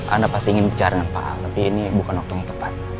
anda pasti ingin bicara dengan paham tapi ini bukan waktu yang tepat